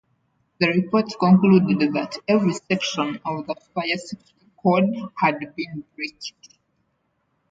The report concluded that "every section of the fire safety code" had been breached.